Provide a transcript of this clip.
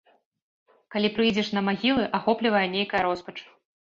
Калі прыйдзеш на магілы, ахоплівае нейкая роспач.